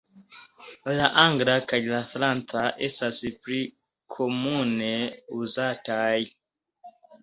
La angla kaj la franca estas pli komune uzataj.